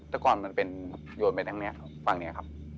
แต่ก่อนมันเป็นโยนไปทางนี้